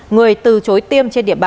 người từ chối tiêm trên địa bàn